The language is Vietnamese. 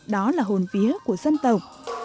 đó là hồn vía của dân tộc